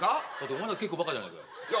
お前だって結構バカじゃないか。